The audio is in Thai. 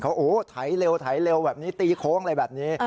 เขาถ่ายเร็วแบบนี้ตีโค้งอะไรแบบนี้